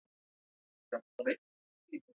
سمندر نه شتون د افغانستان د امنیت په اړه هم اغېز لري.